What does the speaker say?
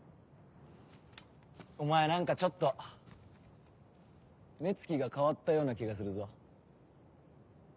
お前何かちょっと目つきが変わったような気がするぞ。